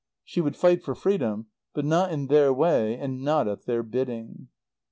She would fight for freedom, but not in their way and not at their bidding.